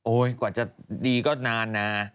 กว่าจะดีก็นานนะ